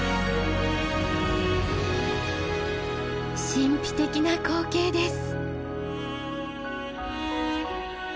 神秘的な光景です。